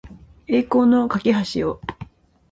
栄光の架橋を